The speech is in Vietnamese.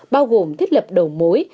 bao gồm thiết lập đầu mối